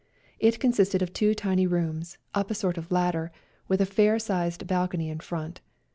It consisted of two tiny rooms, up a sort of ladder, with a fair sized balcony in front.